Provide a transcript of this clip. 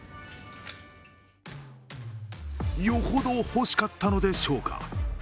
よほど欲しかったのでしょうか。